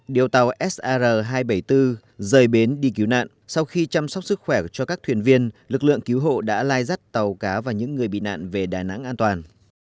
điều tàu sar hai trăm bảy mươi bốn rời bến đi cứu nạn sau khi chăm sóc sức khỏe cho các thuyền viên lực lượng cứu hộ đã lai dắt tàu cá và những người bị nạn về đà nẵng an toàn